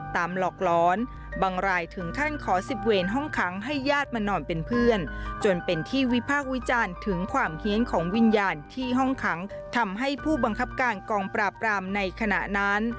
หลอกร้อนบางรายถึงขั้นขอสิบเวรห้องขังให้ญาติมานอนเป็นเพื่อนจนเป็นที่วิพากษ์วิจารณ์ถึงความเฮียนของวิญญาณที่ห้องขังทำให้ผู้บังคับการกองปราบรามในขณะนั้น